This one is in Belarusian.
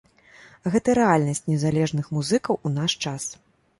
Гэта рэальнасць незалежных музыкаў у наш час.